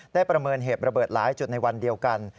ประเมินเหตุระเบิดหลายจุดในวันเดียวกัน